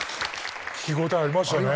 聴き応えありましたね。